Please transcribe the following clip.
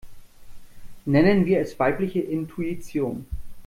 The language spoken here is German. Nennen wir es weibliche Intuition.